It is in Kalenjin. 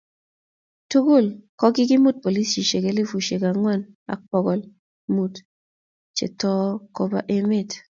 tugul ko kikimut polisiek elfusiek ang'wan ak pokol mut che too koba emet.